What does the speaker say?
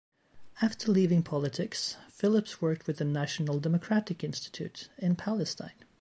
After leaving politics, Phillips worked with the National Democratic Institute in Palestine.